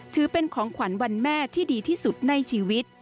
ถือเป็นของขวัญวันแม่ที่ดีที่สุดในชีวิต